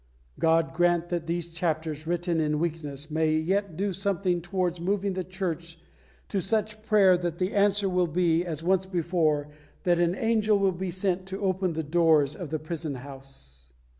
God grant that these chapters, written in weakness, may yet do something towards moving the Church to such prayer that the answer will be, as once before, that an angel will be sent to open the doors of the prison house!